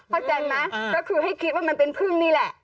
เข้าใจไหมก็คือให้คิดว่ามันเป็นพึ่งนี่แหละ